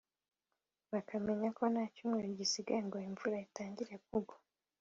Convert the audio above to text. bakamenya ko nta cyumweru gisigaye ngo imvura itangire kugwa